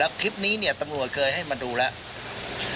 แล้วคลิปนี้เนี่ยตำรวจเคยให้มาดูแล้ว